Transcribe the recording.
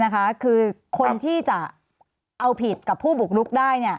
คือคนที่จะเอาผิดกับผู้บุกลุกได้